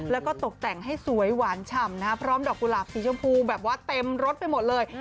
แล้วก็ตกแต่งให้สวยหวานฉ่ำพร้อมดอกกุหลาบสีชมพูแบบว่าเต็มรถไปหมดเลย